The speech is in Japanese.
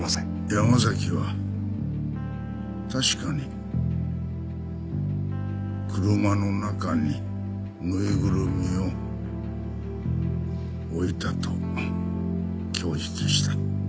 山崎は確かに車の中にぬいぐるみを置いたと供述した。